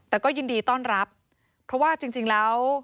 แต่ก็ยินดีต้อนรับเพราะว่าจริงแล้ว